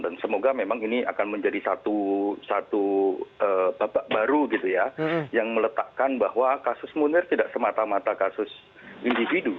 dan semoga memang ini akan menjadi satu babak baru yang meletakkan bahwa kasus mundir tidak semata mata kasus individu